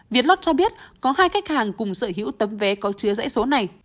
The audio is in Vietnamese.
việt lot cho biết có hai khách hàng cùng sở hữu tấm vé có chứa dãy số này